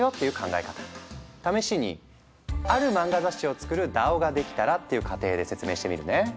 試しに「ある漫画雑誌を作るＤＡＯができたら」っていう仮定で説明してみるね。